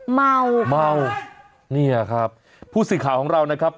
เมานี่ครับผู้สิทธิ์ข่าวของเรานะครับ